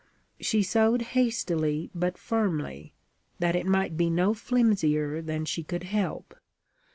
She sewed hastily but firmly, that it might be no flimsier than she could help.